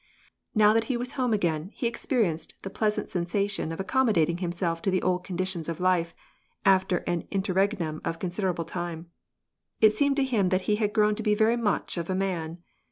Now that he was at home again, he experienced the pleasant sensation of accommodating himself to the old conditions of life after an interregnum of considerable time. It seemed to him that he had grown to be very much of a man.